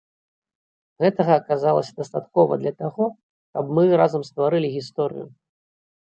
Гэтага аказалася дастаткова для таго, каб мы разам стварылі гісторыю.